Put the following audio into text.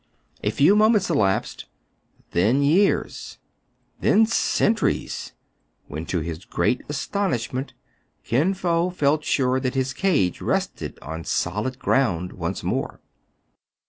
A few moments elapsed, then years, then centuries, when, to his great astonishment, Kin Fo felt sure that his cage rested on solid ground once more.